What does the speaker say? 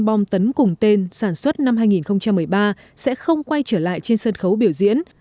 bom tấn cùng tên sản xuất năm hai nghìn một mươi ba sẽ không quay trở lại trên sân khấu biểu diễn